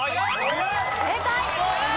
正解。